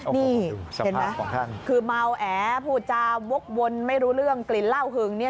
นี่เห็นไหมคือเมาแอพูดจาวกวนไม่รู้เรื่องกลิ่นเหล้าหึงเนี่ย